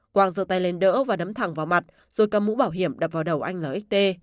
quang dật tay lên đỡ và đấm thẳng vào mặt rồi cầm mũ bảo hiểm đập vào đầu anh l